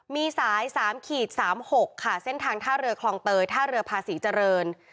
มีสาย๓๓๖ค่ะเส้นทางท่าเรือคลองเตยท่าเรือภาษีเจริญ